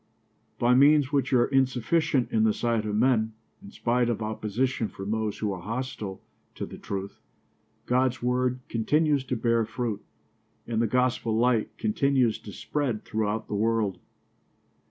By means which are insufficient in the sight of men, in spite of opposition from those who are hostile to the truth, God's word continues to bear fruit and the gospel light continues to spread throughout the world.